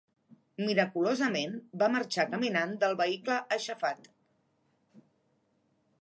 Miraculosament, va marxar caminant del vehicle aixafat.